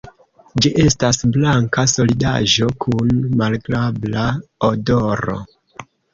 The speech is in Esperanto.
Ĝi estas blanka solidaĵo kun malagrabla odoro.